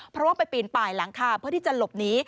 เพราะว่าไปปีนป่ายหลังคาเพื่อที่จะหลบหนี